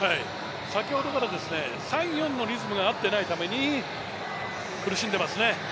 先ほどから３、４のリズムが合っていないために苦しんでいますね。